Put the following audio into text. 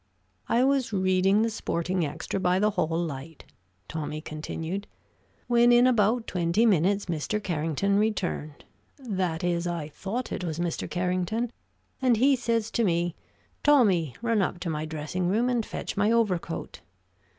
"I was reading the sporting extra by the hall light," Tommy continued, "when, in about twenty minutes, Mr. Carrington returned that is, I thought it was Mr. Carrington and he says to me, 'Tommy, run up to my dressing room and fetch my overcoat.'